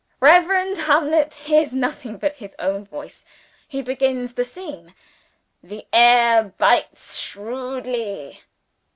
Reverend Hamlet hears nothing but his own voice. He begins the scene: "The air bites shrewdly.